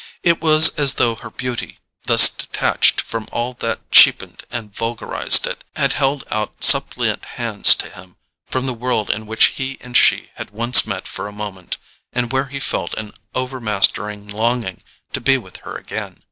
It was as though her beauty, thus detached from all that cheapened and vulgarized it, had held out suppliant hands to him from the world in which he and she had once met for a moment, and where he felt an overmastering longing to be with her again.